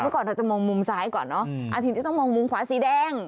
ก่อนเราจะมองมุมซ้ายก่อนเนอะอาทิตย์นี้ต้องมองมุมขวาสีแดง